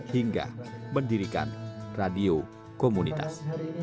hingga mendirikan radio komunitas